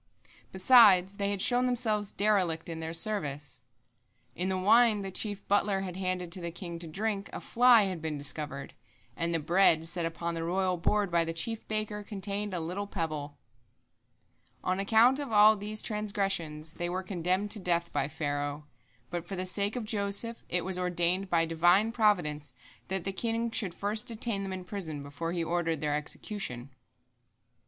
Besides, they had shown themselves derelict in their service. In the wine the chief butler had handed to the king to drink, a fly had been discovered, and the bread set upon the royal board by the chief baker contained a little pebble." On account of all these transgressions they were condemned to death by Pharaoh, but for the sake of Joseph it was ordained by Divine providence that the king should first detain them in prison before he ordered their execution.